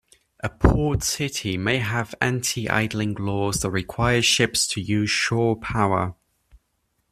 A port city may have anti-idling laws that require ships to use shore power.